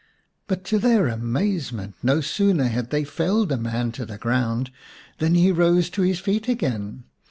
But to their amazement, no sooner had they felled a man to the ground than he rose to his feet again.